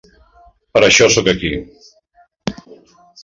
Per això soc aquí.